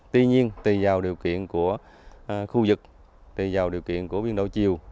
tuy nhiên tùy vào điều kiện của khu vực tùy vào điều kiện của biên độ chiều